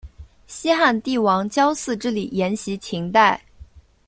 西汉帝王郊祀之礼沿袭秦代。